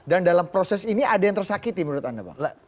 dan dalam proses ini ada yang tersakiti menurut anda bang